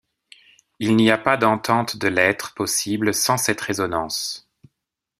Il n'y a pas d'entente de l'être possible sans cette résonance.